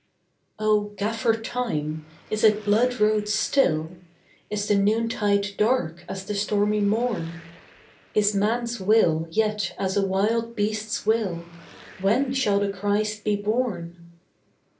" O Gaffer Time, is it blood road still? Is the noontide dark as the stormy morn? Is man s will yet as a wild beast s will? When shall the Christ be born?